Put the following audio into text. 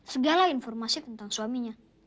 segala informasi tentang suaminya